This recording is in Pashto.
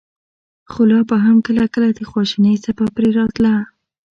خو لا به هم کله کله د خواشينۍڅپه پرې راتله.